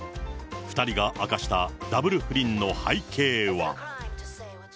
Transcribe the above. ２人が明かしたダブル不倫の背景は。